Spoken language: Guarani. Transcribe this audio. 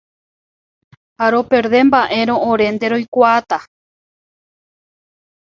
Ha roperde mba'érõ orénte roikuaa.